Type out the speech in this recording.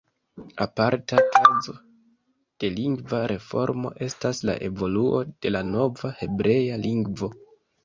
Aparta kazo de lingva reformo estas la evoluo de la nova hebrea lingvo.